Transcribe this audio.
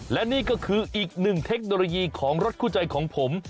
และนี่ก็คืออีกหนึ่งเทคโนโลยีของรถคู่ใจของผม